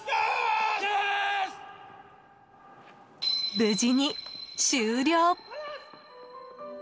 無事に終了！